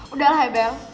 udah lah ya bel